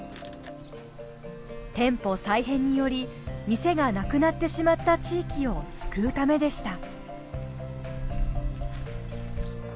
店舗再編により店がなくなってしまった地域を救うためでした。